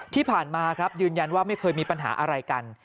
ที่ผ่านมาครับยืนยันว่าไม่เคยมีปัญหาอะไรกัน